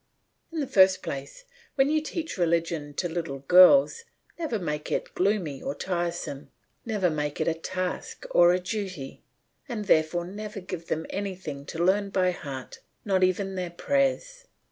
In the first place, when you teach religion to little girls never make it gloomy or tiresome, never make it a task or a duty, and therefore never give them anything to learn by heart, not even their prayers.